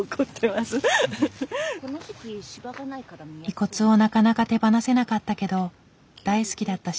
遺骨をなかなか手放せなかったけど大好きだった